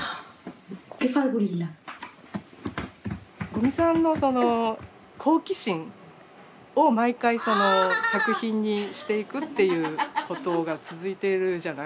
五味さんのその好奇心を毎回その作品にしていくっていうことが続いてるじゃない。